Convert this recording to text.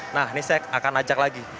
nah ini saya akan ajak lagi